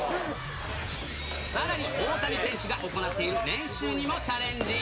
さらに、大谷選手が行っている練習にもチャレンジ。